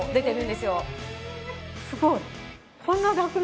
すごい！